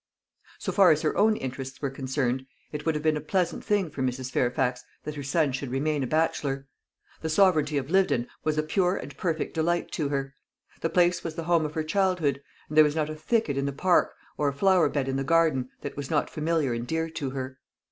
So far as her own interests were concerned, it would have been a pleasant thing for Mrs. Fairfax that her son should remain a bachelor. The sovereignty of Lyvedon was a pure and perfect delight to her. The place was the home of her childhood; and there was not a thicket in the park, or a flower bed in the garden, that was not familiar and dear to her.